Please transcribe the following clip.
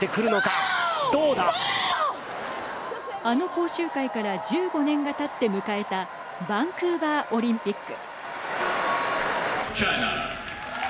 あの講習会から１５年がたって迎えたバンクーバーオリンピック。